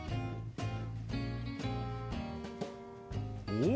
お！